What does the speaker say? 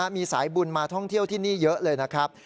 มีสายบุญมาท่องเที่ยวที่นี่เยอะเลยนะครับ